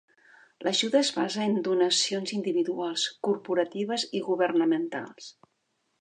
L'ajuda es basa en donacions individuals, corporatives i governamentals.